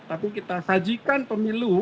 tapi kita harus membuatnya lebih baik